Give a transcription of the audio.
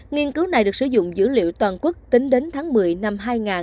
nghiên cứu này được sử dụng dữ liệu toàn quốc tính đến tháng một mươi năm hai nghìn hai mươi ba